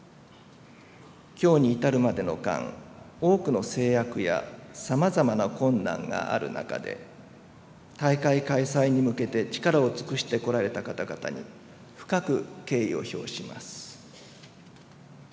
今日に至るまでの間多くの制約や様々な困難がある中で大会開催に向けて力を尽くしてこられた方々に深く敬意を表します。